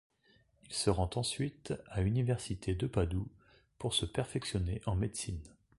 Il se rend ensuite à Université de Padoue pour se perfectionner en médecine.